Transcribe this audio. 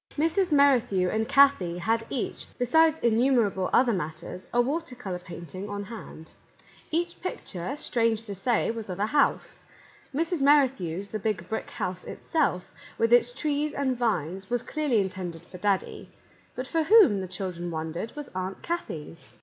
Mrs. Merrithew and Kathie had each, be sides innumerable other matters, a water colour painting on hand. Each picture, strange to say, was of a house. Mrs. Merrithew's, the Big Brick House itself, with its trees and vines, was clearly intended for Daddy ; but for whom, the children wondered, was Aunt Kathie's